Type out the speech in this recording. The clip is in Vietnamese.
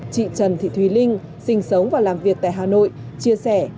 chị trần thị thùy linh sinh sống và làm việc tại hà nội chia sẻ